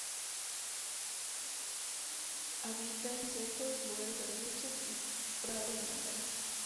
Habita en setos, lugares de arbustos y prados de montaña.